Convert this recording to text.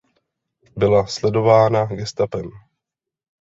Byla sledována gestapem.